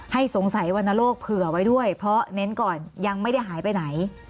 สงสัยวรรณโรคเผื่อไว้ด้วยเพราะเน้นก่อนยังไม่ได้หายไปไหน